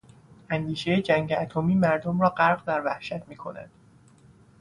اندیشهی جنگ اتمی مردم را غرق در وحشت میکند.